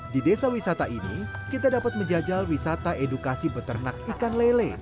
di desa wisata ini kita dapat menjajal wisata edukasi beternak ikan lele